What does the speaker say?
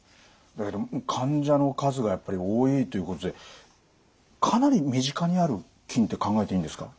だけど患者の数がやっぱり多いということでかなり身近にある菌って考えていいんですか？